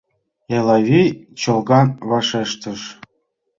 — Элавий чолган вашештыш.